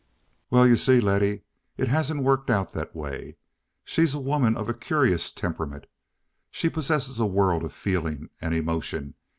"Well, you see, Letty, it hasn't worked out that way. She's a woman of a curious temperament. She possesses a world of feeling and emotion.